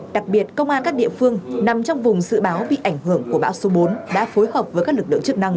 đặc biệt công an các địa phương nằm trong vùng dự báo bị ảnh hưởng của bão số bốn đã phối hợp với các lực lượng chức năng